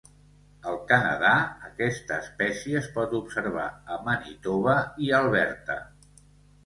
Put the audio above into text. Al Canadà, aquesta espècie es pot observar a Manitoba i Alberta.